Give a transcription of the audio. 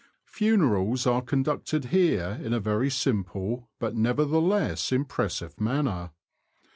Funerals are conducted here in a very simple, but nevertheless impressive, manner.